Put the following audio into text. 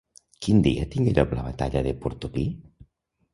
Quin dia tingué lloc la batalla de Portopí?